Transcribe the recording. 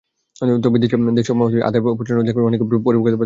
তবে দেশীয় আদায় পচনরোগ দেখা দেওয়ায় অনেকেই অপরিপক্ব আদা বাজারে নিয়ে আসছে।